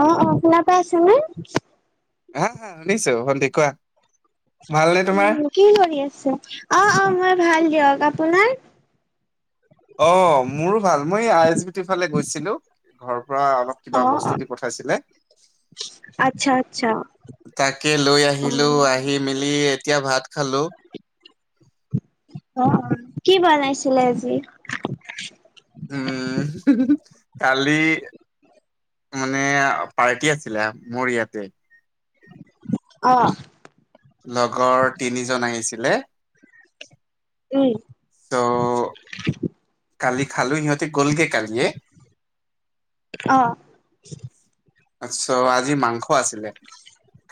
অ, অ শুনা পাই, আছে নে? হা, হা শুনিছোঁ ভণ্টি কোৱা। ভালনে তোমাৰ উম, কি কৰি আছে? অ, অ মই ভাল দিয়ক আপোনাৰ? অ। মোৰো ভাল মই আই ইছ, বি টি ফালে গৈছিলো ঘৰৰ পৰা অলপ কিবা অ', অ', বস্তু দি পঠাইছিলে। আচ্ছা, আচ্ছা, তাকে লৈ আহিলো আহিলো, অ', আহি মিলি এতিয়া ভাত খালোঁ। অ, কি বনাইছিলে আজি? উম, কালি মানে পাৰ্টি আছিলে, মোৰ ইয়াতে। অ। লগৰ তিনিজন আহিছিলে। উম। চ' কালি খালো, সিহঁতে গ'লগে কালিয়ে। অ। চো, আজি মাংস আছিলে।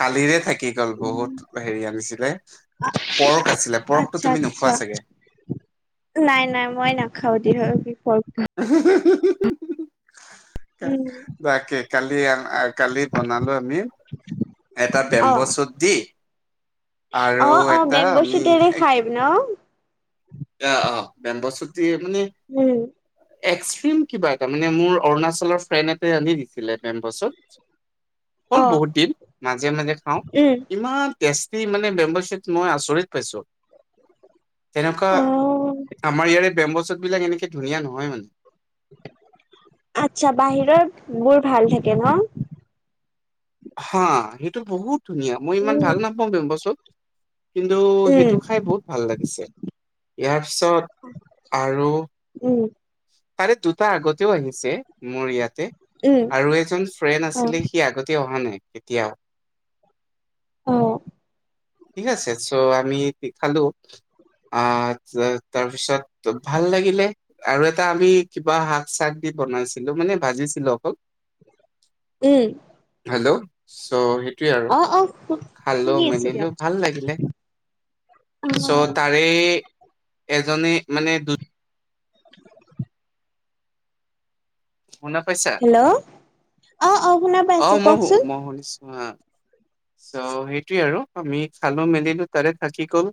কালিৰে থাকি গ'ল, বহুত হেৰি আনিছিলে। পৰক আছিলে, পৰকটো আচ্ছা, তুমি আচ্ছা, নোখোৱা চাগে? নাই, নাই, মই নাখাও দিয়ক পৰক। [inaudible] উম, তাকে, কালি, কালি বনালো আমি। এটা বেম্ব অ', চুট দি, আৰু অ', অ', এটা বেম্ব আমি চুটেৰে খাই ন। অ, অ, বেম্বো শ্বুট মানে উম। এক্সট্ৰিম কিবা এটা, মানে মোৰ অৰুণাচলৰ ফ্ৰেণ্ড এটা আনি দিছিলে বেম্বো শ্বুট। হ'ল অ', বহুত দিন, মাজে, মাজে খাওঁ উম, ইমান টেষ্টি মানে, বেম্বো শ্বুট মই আচৰিত পাইছো তেনেকুৱা। অ', আমাৰ ইয়াৰে বেম্বো শ্বুট বিলাক এনেকে ধুনীয়া নহয় মানে। আচ্ছা, বাহিৰত বোৰ ভাল থাকে ন। হা, সেইটো বহুত ধুনীয়া মই ইমান উম, ভাল নাপাওঁ বেম্বো শ্বুট। কিন্তু উম, সেইটো খাই বহুত ভাল লাগিছে, ইয়াৰ পিছত আৰু। উম, তাৰে দুটা আগতেও আহিছে মোৰ ইয়াতে। উম, আৰু এজন ফ্ৰেণ্ড অ', আছিলে সি আগতে অহা নাই কেতিয়াও। অ, ঠিক আছে, চ', আমি খালো। আহ, তাৰপিছত ভাল লাগিলে। আৰু এটা আমি কিবা শাক চাক দি বনাইছিলো মানে ভাজিছিলো অকল। উম, হেল্ল', চ' সেইটো, আৰু অ অ খালো শুনি আছো দিয়ক মেলিলো ভাল লাগিলে, অ চো এজনে মানে দু খুনা পাইচা? হেল্ল, অ, অ, শুনা অ, পাইছো মই মই কওকচোন শুনিছো আ চ' সেইটোৱে আৰু আমি খালো মেলিলো তাৰে থাকি গ'ল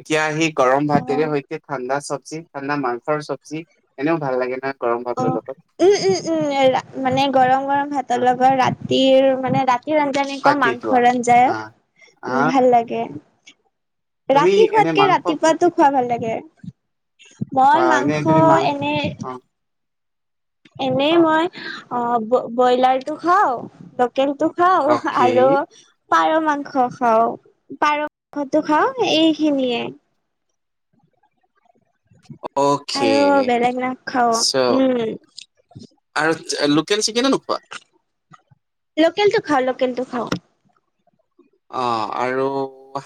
এতিয়া আহি। গৰম ভাতেৰে সৈতে ঠাণ্ডা চব্জি ঠাণ্ডা মাংসৰ চব্জি এনেও ভাল লাগে নহয়। ও অ ভাতৰ লগত উম, উম, উম মানে গৰম গৰম ভাতৰ আহ লগত ৰাতিৰ মানে ৰাতি আঞ্জানে থাকি যোৱা মাংসৰ আঞ্জাই আহ উম ভাল আহ লাগে। তুমি ৰাতি এনে খোৱাতকে মাংস কি কি ৰাতিপুৱাতো খোৱা ভাল লাগে। অ মই এনে মাংস তুমি এনে। অ এনেই অ মই অ ব্ৰইলাৰ টো খাওঁ লোঁকেলটো খাও অকে আৰু পাৰ মাংস খাওঁ পাৰ মাংসটো খাও এই খিনিয়ে। অ, আৰু বেলেগ না খাও উম, আৰু লোকেল চিকেনো নোখোৱা। লোকেল টো খাওঁ লোকেল টো খাওঁ। অ, আৰু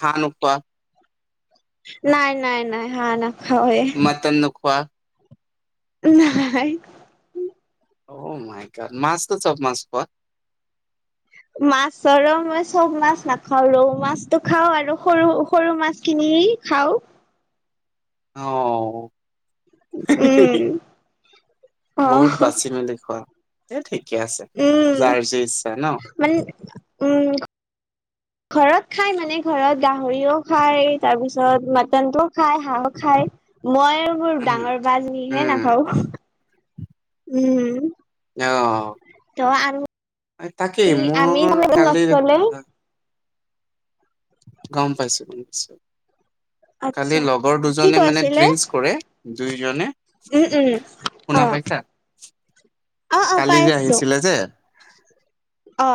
হাঁহ নোখোৱা। নাই নাই নাই হা না মতন নোখোৱা। নাইাই অ, মাছটো চপ মাছ খোৱা। মাছৰ মই চব মাছ নাখাও ৰৌ মাছতটো খাও আৰু সৰু সৰু মাছ খিনি। খাওঁ। অ, উম অ বহুত বাচি মেলি খোৱা এই খোৱা। ঠিকে আছে যাৰ যে ইচ্ছা ন। মান উম, ঘৰত খাই মানে ঘৰত গাহৰিও খায় তাৰপিছত মাটনটোও খায় হাঁহো খায়। মই আৰু মোৰ উম ডাঙৰ বা জনীহে উম নাখাওঁ উম কিয় [unintelligible] ত আমি আমি মোৰ মানে কালি নচলে [unintelligible] আহ, গম পাইছো খালি আচ্ছা লগৰ কি দুজনে মানে কৈছিলে ড্ৰিংকচ কৰে দুইজনে উম উম শুনা অ পাইছা অ', অ', পাই কালি যে আছো আহিছিলে যে অ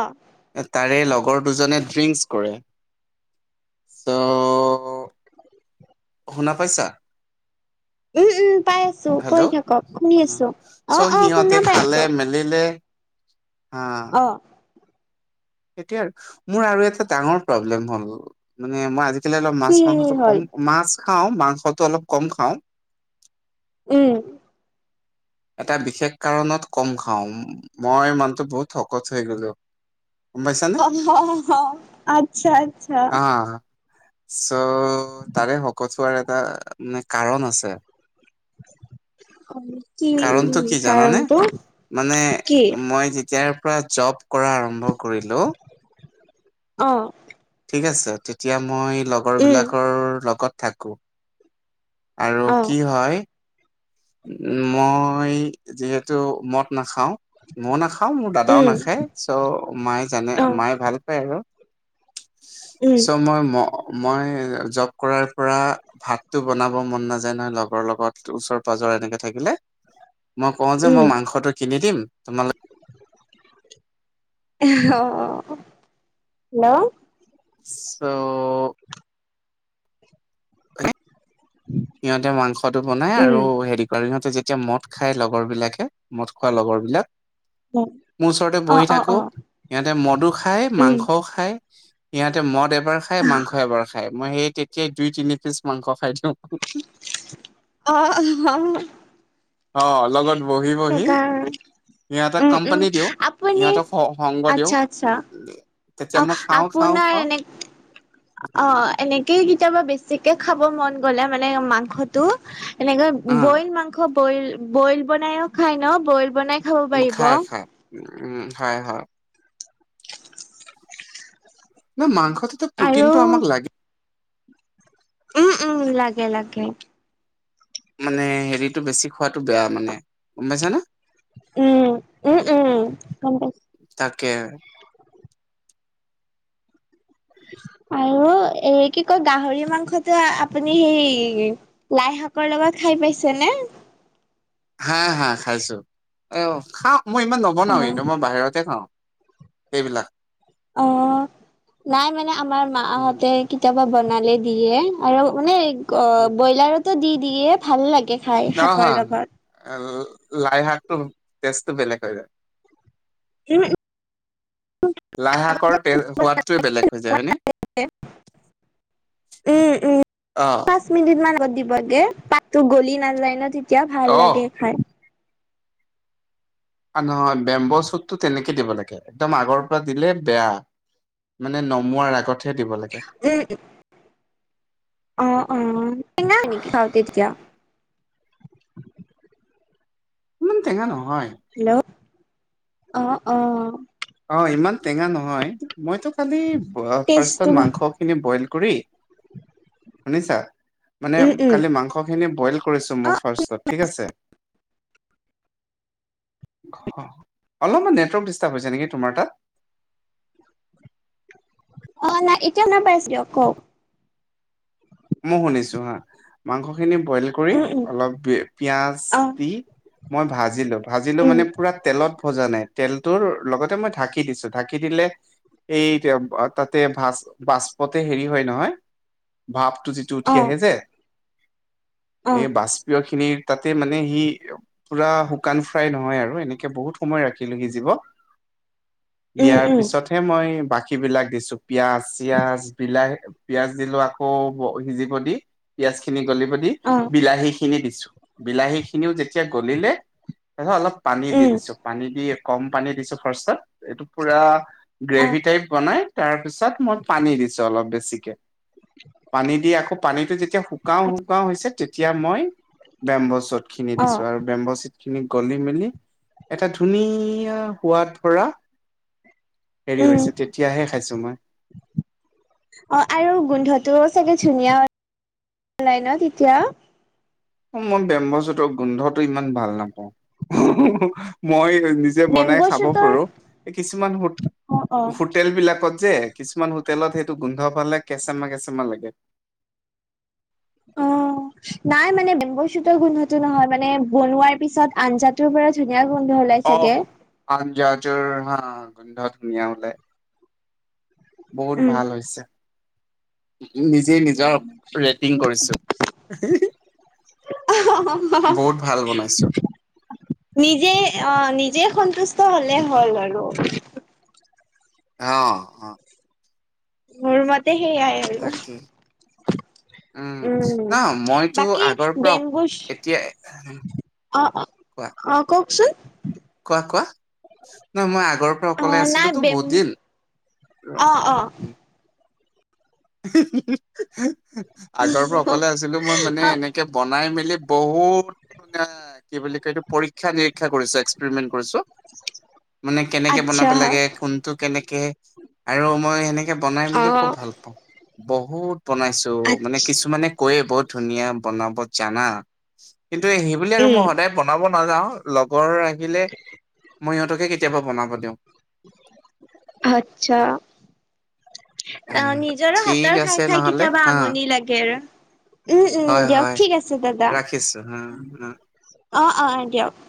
তাৰে লগৰ দুজনে ড্ৰিংকচ কৰে চ শুনা পাইছা উম, উম, পাই আছো কৈ হেল্ল' থাকক শুনি আছো। চ' অ', অ', সিহঁতে শুনা খালে পাইছো মেলিলে হা অ', এতিয়া মোৰ আৰু এটা ডাঙৰ প্ৰব্লেম হ'ল মানে মই আজি এতিয়া অলপ মাছ কি মাংসতো হ'ল কম, মাছ খাওঁ মাংসতটো অলপ কম খাওঁ উম এটা বিশেষ কাৰণত কম খাও মই মানুহ টো বহুত সকত হৈ গলো। গম পাইছানে অ হ হ আচ্ছা আচ্ছা হা চ' তাৰে শকত হোৱাৰ এটা মানে কাৰণ আছে হয় কাৰণতটো কি জানানে মানে কি মই যেতিয়াৰ পৰা জব কৰা আৰম্ভ কৰিলো অ ঠিক আছে তেতিয়া মই লগৰ উম, বিলাকৰ লগত থাকো আৰু অ', কি হয়, মই যিহেতু মদ নাখাও মইও নাখাও মোৰ দাদাও উম, নাখায় চ' মায়ে জানে অ', মায়ে ভাল পায় আৰু উম, চ মই ম মই জব কৰাৰ পৰা ভাতটো বনাব মন নাযায় নহয় লগৰ লগত ওচৰ পাজৰ এনেকে থাকিলে মই কওঁ যে উম, মই মাংসটো কিনি দিম তোমালো অ হেল্ল' চ' সিহঁতে মাংসটো বনাই উম, আৰু হেৰি কৰে সিহঁতে যেতিয়া মদ খাই লগৰ বিলাকে মদ খোৱা লগৰ বিলাক মোৰ ওচৰতে বহি অ', অ', থাকো অ', সিহঁতে মদু খায় উম। মাংসও খায় সিহঁতে মদ এবাৰ খাই মাংস এবাৰ খাই মই সেই তেতিয়াই দুই তিনি পিচ মাংস খাই দিওঁ অ অ অ লগত বহি [unintelligible] বহি সেইকাৰ সিহঁতক উম উম কোম্পানী দিওঁ আপুনি সিহঁতক সংগ দিওঁ আচ্ছা আচ্ছা। তেতিয়া অ মই খাওঁ খাওঁ আপোনাৰ খাওঁ এনে অ এনেকেই কেতিয়াবা বেছিকে খাব মন গলে মানে মাংসত এনেকে আহ বইল মাংস বইল বইল বনাইও খাই ন বইল বনাই খাব পাৰিব। খায় খায় উ হয় হয়। ন মাংসততো আৰু প্ৰটিনটো আমাক লাগি উম উম লাগে লাগে। মানে হেৰিতটো বেছি খোৱাতটো বেয়া মানে গম পাইছা নে? উম উম উম গম পাইছোঁ। তাকে আৰু এ কি কয় গাহৰি মাংসটো আপুনি হেৰি লাই শাকৰ লগত খাই পাইছে নে? হা হা খাইছো অ খাও মই ইমান অ নবনাও এইটো মই বাহিৰতে খাওঁ। এইবিলাক অ নাই মানে আমাৰ উম মাহতে কেতিয়াবা বনালে দিয়ে আৰু মানে উম ব্ৰইলাৰতো দি দিয়ে ভাল লাগে খাই অ শাকৰ লগত অ লাই শাকটো তেজটো বেলেগ হৈ যায় স লাই শাকৰ তে সোৱাদটোৱে বেলেগ হৈ যায় হয় নে উম অ উম প মিনিট মানত দিবগে পাতো গলি নাযায় ন তেতিয়া ভাল অ লাগে খাই নহয় বেম্ব' চুটতো তেনেকে দিব লাগে একদম আগৰ পৰা দিলে বেয়া মানে নমোৱাৰ আগত উ অ অ নাই নেকি খাওঁতেতিয়া ইমান টেঙা নহয় হেল্ল' অ অ অ ইমান টেঙা নহয় মইতো খালি টেষ্টটো ফাৰ্ষত ভাল মাংসখিনি বইল কৰি শুনিছা মানে উম উম কালি মাংসখিনি বইল কৰিছো অ মোৰ ফাৰ্ষত ঠিক আছে অলপমান নেটৱৰ্ক ডিষ্টাৰ্ব হৈছে নেকি তোমাৰ তাত অ নাই এতিয়াও নাপাইছ দিয়ক কওক মই শুনিছো হা মাংসখিনি বইল কৰি উম অলপ পিয়াজ দি মই ভাজিলো। ভাজিলো উম অ উম মানে পুৰা তেলত ভজা নাই তেলটোৰ লগতে মই ঢাকি দিছো ঢাকি দিলে এই তাতে-ভ-ভাচ বাষ্পতে হেৰি হয় নহয় ভাপ উঠি অ আহে যে অ এই বষ্পীয়খিনিৰ তাতে মানে সি পুৰা শুকান ফ্ৰাই নহয় আৰু এনেকে বহুত সময় ৰাখিলো সিজিব। উম দিয়াৰ উম পিছত হে মই বাকীবিলাক দিছোঁ পিয়াজ চিয়াজ বিলাহী পিয়াজ দিলোঁ আকৌ সিজিব দি পিয়াজখিনি গলিব দি অ বিলাহী খিনি দিছোঁ। বিলাহীখিনিও যেতিয়া গলিলে তাৰপিছত অলপ পানী দি উম দিছো পানী দি কম পানী দিছো ফাৰ্ষ্টত এইটো পুৰা অ গ্ৰেভি টাইপ বনাই তাৰপিছত মই পানী দিছো অলপ বেছিকে। পানী দি আকৌ পানীতটো যেতিয়া শুকাও শুকাও হৈছে তেতিয়া মই বেম্বছোদ খিনি অ দিছো আৰু বেম্ব'চোটখিনি গলি মেলি এটা ধুনীয়া সোৱাদ ভৰা হেৰি উম হৈছে তেতিয়াহে খাইছো মই। অ', আৰু গোন্ধটো চাগে ধুনীয়া ওলায় ন তেতিয়া? মই বেম্ব'চোতৰ গোন্ধটো ইমান ভাল নাপাওঁ। [unintelligible] মই নিজে মেম্ব বনাই খাব চুটৰ পাৰো। এই কিছুমানো অ অ হোটেলবিলাকত যে কিছুমান হোটেলত সেইটো গোন্ধ পালে কেঁচেমা কেঁচেমা লাগে। অ', নাই মানে বেম্বচুতৰ গোন্ধটো নহয় মানে বনোৱাৰ পিছত আঞ্জাত টোৰ পৰা ধুনীয়া গোন্ধ ওলাই চাগে। আঞ্জাজৰ হা গোন্ধ ধুনীয়া উলাই। বহুত উম ভাল হৈছে। নিজে নিজৰ ৰেটিং কৰিছো। বহুত ভাল বনাইছো। নিজে অ' নিজে সন্তুষ্ট হ'লে হ'ল আৰু। অ', অ'। মোৰ মতে সেইয়া। তাকে। উম, ন মইতো বাকী আগৰ পৰা বেম্বুচ এতিয়া অ', অ', কোৱা অ' কওঁকচোন? কোৱা কোৱা নহ মই আগৰ পৰা অ অকলে নাই আছিলোতো বেম বহুত দিন অ অ [unintelligible] আগৰ পৰা অকলে আছিলো মই মানে অ এনেকে বনাই মেলি বহুত ধুনীয়া কি বুলি কয় এইটো পৰীক্ষা নিৰীক্ষা কৰিছে। এস্ক প্ৰিমেণ্ট কৰিছো। মানে কেনেকে বনাব আচ্ছা লাগে কোনটো কেনেকে আৰু মই সেনেকে বনাই অ মেলি খুব ভাল পাওঁ। বহুত বনাইছো মানে আচ্ছ কিছুমানে কৈয় বৰ ধুনীয়া বনাব জানা। কিন্তু সেইবুলি আৰু মই উম সদায় বনাব নাযাওঁ লগৰ আহিলে মই সিহঁতকে কেতিয়াবা বনাব দিওঁ। আচ্ছা অ', উম, নিজৰো ঠিক হাতৰ আছে খাই খাই নহ'লে কেতিয়াবা হা আমনি লাগে উম, উম হয় হয় দিয়ক ঠিক আছে দাদা। ৰাখিছো হা হা। অ', অ' দিয়ক।